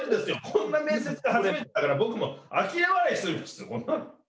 こんな面接って初めてだから僕もあきれ笑いしてこんなの。